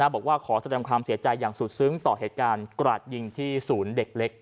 บอกว่าขอแสดงความเสียใจอย่างสุดซึ้งต่อเหตุการณ์กราดยิงที่ศูนย์เด็กเล็ก